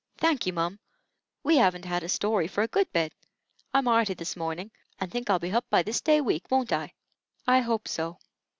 "Thanky, mum. We 'aven't 'ad a story for a good bit. I'm 'arty this mornin', and think I'll be hup by this day week, won't I?" "I hope so.